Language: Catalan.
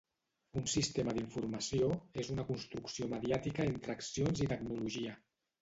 Un sistema d'informació és una construcció mediàtica entre accions i tecnologia.